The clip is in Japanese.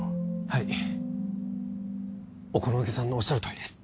はい小此木さんのおっしゃるとおりです